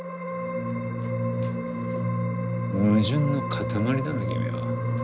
矛盾の塊だな君は。